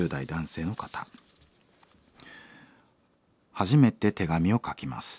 「初めて手紙を書きます。